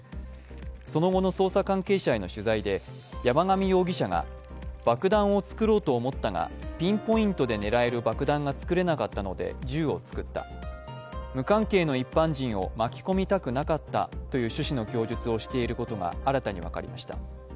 その後の捜査関係者への取材で山上容疑者が爆弾も作ろうと思ったがピンポイントで狙える爆弾が作れなかったので銃を作った無関係の一般人を巻き込みたくなかったという趣旨の供述をしていることが新たに分かりました。